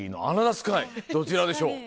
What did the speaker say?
スカイどちらでしょう？